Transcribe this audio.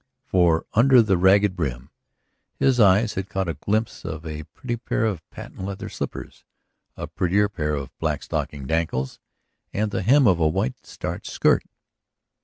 For, under the ragged brim, his eyes had caught a glimpse of a pretty pair of patent leather slippers, a prettier pair of black stockinged ankles, and the hem of a white starched skirt.